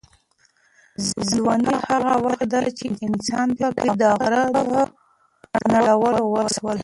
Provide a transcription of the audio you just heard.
ځواني هغه وخت ده چې انسان پکې د غره د نړولو وس لري.